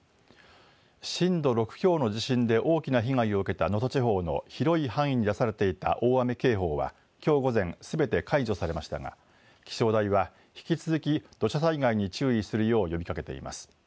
震度６強の地震で大きな被害を受けた能登地方の広い範囲に出されていた大雨警報はきょう午前すべて解除されましたが気象台は引き続き土砂災害に注意するよう呼びかけています。